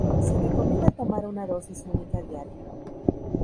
Se recomienda tomar una dosis única diaria.